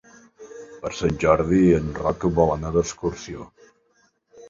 Per Sant Jordi en Roc vol anar d'excursió.